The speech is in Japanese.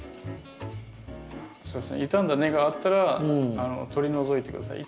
そうですね傷んだ根があったら取り除いて下さい。